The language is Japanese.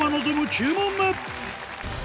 ９問目！